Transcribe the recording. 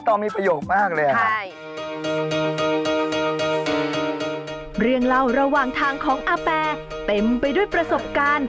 เดี๋ยวผมจะเก็บไปนะมันไม่สระมันขม